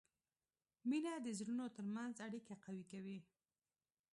مینه د زړونو ترمنځ اړیکه قوي کوي.